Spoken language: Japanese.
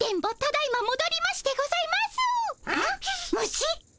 虫？